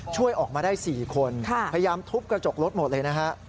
ช่วยออกมาได้๔คนพยายามทุบกระจกรถหมดเลยนะฮะ